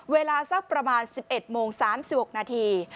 เวลาสักประมาณ๑๑โมง๓๖นาที